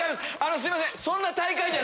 すいません。